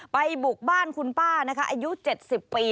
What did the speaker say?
บุกบ้านคุณป้านะคะอายุ๗๐ปี